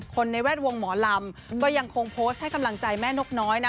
ในแวดวงหมอลำก็ยังคงโพสต์ให้กำลังใจแม่นกน้อยนะ